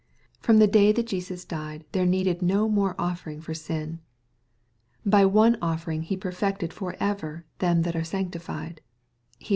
From the day that Jesus died there needed no more offering for sin. By one offering He perfected for ever them that are sanctified. (Heb.